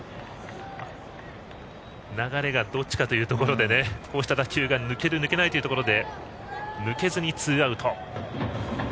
流れがどっちかというところで今のような打球が抜ける抜けないというところで抜けずにツーアウト。